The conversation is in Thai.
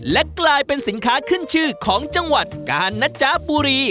และกลายเป็นสินค้าขึ้นชื่อของจังหวัดกาญนะจ๊ะบุรี